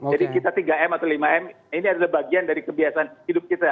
jadi kita tiga m atau lima m ini adalah bagian dari kebiasaan hidup kita